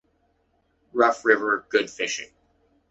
Rough river, good fishing.